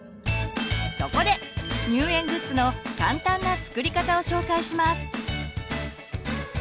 そこで入園グッズの簡単な作り方を紹介します。